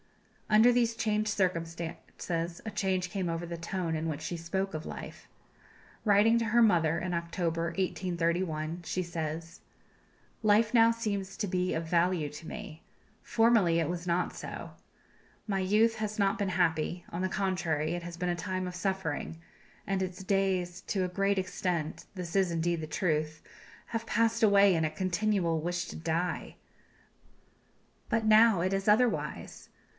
Under these changed circumstances a change came over the tone in which she spoke of life. Writing to her mother, in October, 1831, she says: "Life seems now to be of value to me. Formerly it was not so. My youth has not been happy; on the contrary, it has been a time of suffering, and its days to a great extent this is indeed the truth have passed away in a continual wish to die. But now it is otherwise.